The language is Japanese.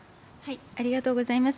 ありがとうございます。